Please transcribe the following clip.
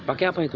pakai apa itu